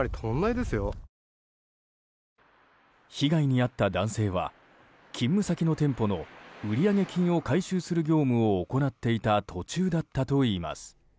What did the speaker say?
被害に遭った男性は勤務先の店舗の売上金を回収する業務を行っていた途中だったといいます。